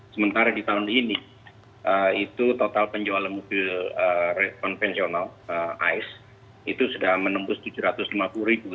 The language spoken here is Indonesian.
sementara di tahun ini itu total penjualan mobil konvensional ais itu sudah menembus tujuh ratus lima puluh ribu